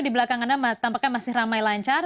di belakang anda tampaknya masih ramai lancar